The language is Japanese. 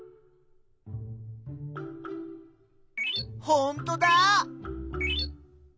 ほんとだ！